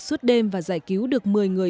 suốt đêm và giải cứu được một mươi người